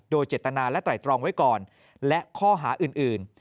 โดยเจตนาและไตรตรองไว้ก่อนและข้อหาอื่น